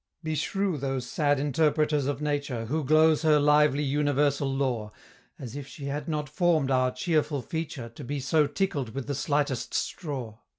"Beshrew those sad interpreters of nature, Who gloze her lively universal law, As if she had not form'd our cheerful feature To be so tickled with the slightest straw!